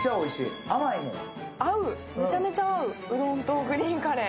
めちゃめちゃ合う、うどんとグリーンカレー。